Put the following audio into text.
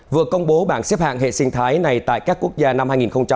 vừa công bố bảng xếp hạng hệ sinh thái này tại các quốc gia năm hai nghìn hai mươi